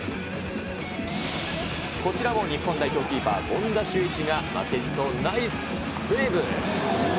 こちらも日本代表キーパー、権田修一が負けじとナイスセーブ。